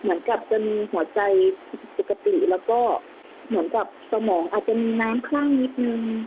เหมือนกับเป็นหัวใจสุขกระตรีแล้วก็เหมือนกับสมองอาจจะน้ำข้างนิดนึง